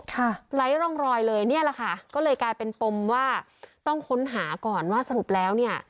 ไร้ร่องรอยเลยเนี่ยแหละค่ะก็เลยกลายเป็นปมว่าต้องค้นหาก่อนว่าสรุปแล้วเนี่ย